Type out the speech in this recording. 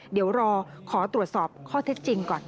เดี๋ยวรอขอตรวจสอบข้อเท็จจริงก่อน